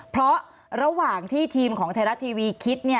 เพราะระหว่างที่ทีมของไทยรัฐทีวีคิด